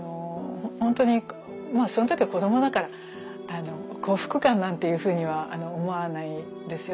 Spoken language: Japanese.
ほんとにまあその時は子供だから幸福感なんていうふうには思わないですよ。